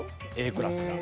Ａクラスが。